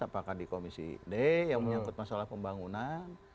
apakah di komisi d yang menyangkut masalah pembangunan